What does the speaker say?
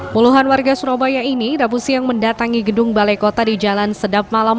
puluhan warga surabaya ini rabu siang mendatangi gedung balai kota di jalan sedap malam